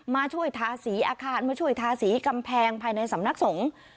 มาช่วยทาสีอาคารมาช่วยทาสีกำแพงภายในสำนักสงฆ์